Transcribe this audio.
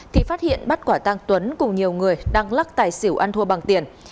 thì phát hiện bắt quả tăng tuấn cùng nhiều người đang lắc tài xỉu ăn thua bằng tiền